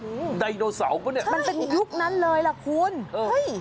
อืมไดโนเสาร์ปะเนี้ยมันเป็นยุคนั้นเลยล่ะคุณเฮ้ย